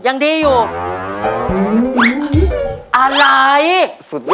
ยังดีอยู่